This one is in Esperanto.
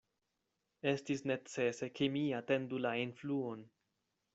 Estis necese, ke mi atendu la enfluon.